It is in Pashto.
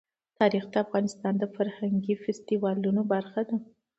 تاریخ د افغانستان د فرهنګي فستیوالونو برخه ده.